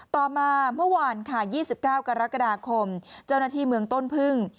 ต่อมาเมื่อวานค่ะ๒๙กรกฎาคมเจ้าหน้าที่เมืองต้นพึ่ง